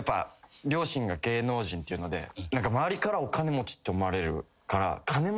両親が芸能人っていうので周りからお金持ちって思われるから。